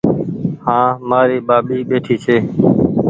هآنٚ مآري ٻآٻي ٻيٺي ڇي